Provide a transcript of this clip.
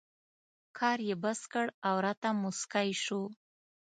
کار یې بس کړ او راته مسکی شو.